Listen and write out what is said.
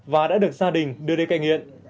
và đã được gia đình đưa đến cài nghiện